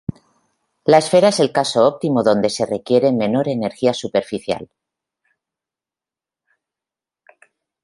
La esfera es el caso óptimo donde se requiere menor energía superficial.